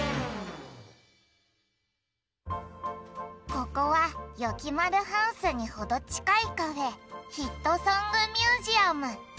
ここはよきまるハウスにほどちかいカフェ「ヒットソング・ミュージアム」。